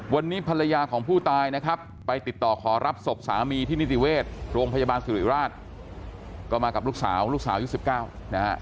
วันนี้ภรรยาของผู้ตายนะครับไปติดต่อขอรับศพสามีที่นิติเวชโรงพยาบาลสุริราชก็มากับลูกสาวลูกสาวยุค๑๙นะฮะ